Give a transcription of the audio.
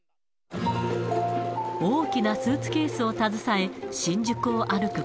大きなスーツケースを携え、新宿を歩く